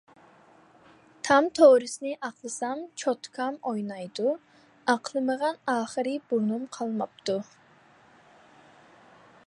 تام تورۇسنى ئاقلىسام چوتكام ئوينايدۇ، ئاقلىمىغان ئاخىرى بۇرنۇم قالماپتۇ.